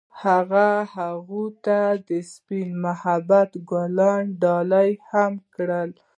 هغه هغې ته د سپین محبت ګلان ډالۍ هم کړل.